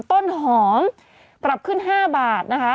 ต้นหอมปรับขึ้น๕บาทนะคะ